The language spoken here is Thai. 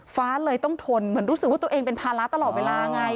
ฟ้าเลยต้องทนเหมือนรู้สึกว่าตัวเองเป็นภาระตลอดเวลาไง